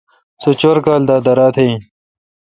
سو چور کال دا دیراتھ این۔